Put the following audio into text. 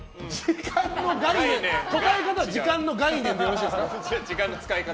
答え方、時間の概念でよろしいですか？